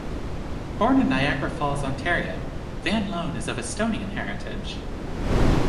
Born in Niagara Falls, Ontario, Van Loan is of Estonian heritage.